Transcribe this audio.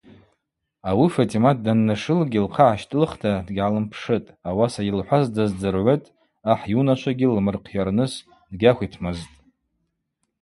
Ауи Фатӏимат даннашылгьи лхъа гӏащтӏылхта дгьгӏалымпшытӏ, ауаса йылхӏваз даздзыргӏвытӏ, ахӏ йунашвагьи лмырхъйарныс дгьахвитмызтӏ.